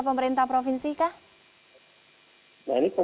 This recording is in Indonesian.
nah ini pemerintah provinsi semua sudah mulai datang